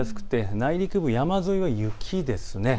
内陸部、山沿いは雪です。